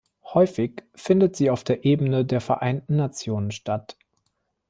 Häufig findet sie auf der Ebene der Vereinten Nationen statt.